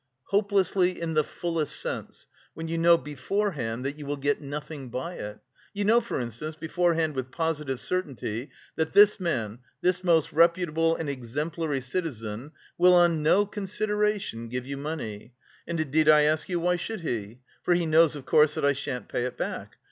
"Hopelessly in the fullest sense, when you know beforehand that you will get nothing by it. You know, for instance, beforehand with positive certainty that this man, this most reputable and exemplary citizen, will on no consideration give you money; and indeed I ask you why should he? For he knows of course that I shan't pay it back.